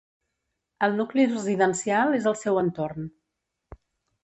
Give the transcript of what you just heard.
El nucli residencial és al seu entorn.